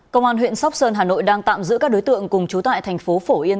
công an huyện sóc sơn hà nội đang tạm giữ các đối tượng cùng trú tại thành phố phổ yên